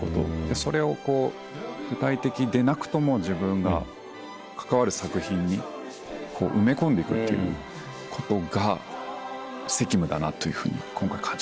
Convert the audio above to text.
それを具体的でなくとも自分が関わる作品に埋め込んでいくっていうことが責務だなというふうに今回感じました。